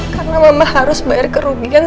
karena mama harus bayar kerugian